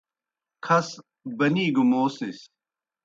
کھس بنی گہ موسِس